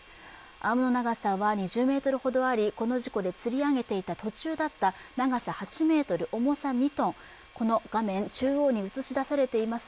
アームの長さは２０ｍほどありこの事故でつり上げていた途中だった長さ８ｍ、重さ２ｔ、この画面中央に映し出されています